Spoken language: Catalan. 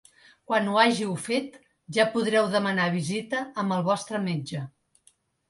Quan ho hàgiu fet, ja podreu demanar visita amb el vostre metge.